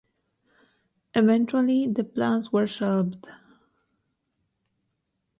Eventually, the plans were shelved.